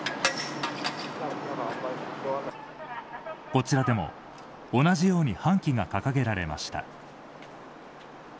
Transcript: こちらでも同じように半旗が掲げられました。